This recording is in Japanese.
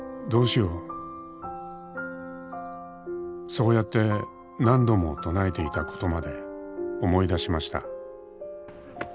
「そうやって何度も唱えていたことまで思い出しました」